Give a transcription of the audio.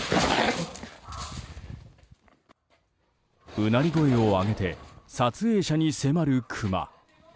うなり声を上げて撮影者に迫るクマ。